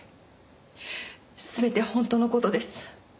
全て本当の事です。